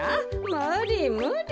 むりむり。